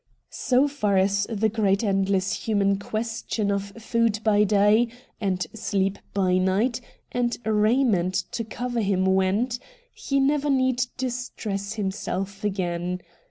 So far as the great endless human question of food by day and sleep by night and raiment to cover him went, he never need distress himself again.